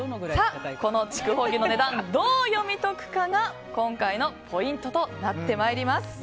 この筑穂牛の値段どう読み解くかが今回のポイントとなってまいります。